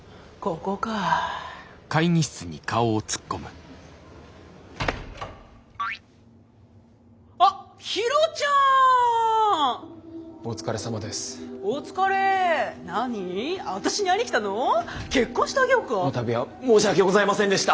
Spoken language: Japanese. この度は申し訳ございませんでした！